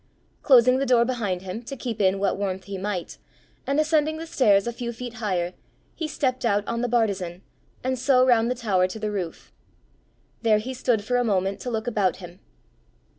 Closing the door behind him to keep in what warmth he might, and ascending the stairs a few feet higher, he stepped out on the bartizan, and so round the tower to the roof. There he stood for a moment to look about him.